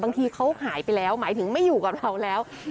บางทีเขาหายไปแล้วหมายถึงไม่อยู่กับเราแล้ว